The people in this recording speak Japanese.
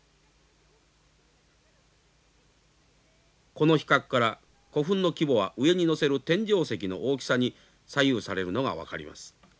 この比較から古墳の規模は上に載せる天井石の大きさに左右されるのが分かります。